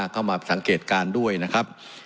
เข้ามาสังเกตการณ์ด้วยนะครับ